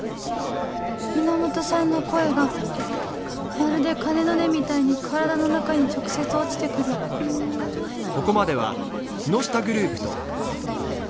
源さんの声がまるで鐘の音みたいに体の中に直接落ちて来るねぇみんなさ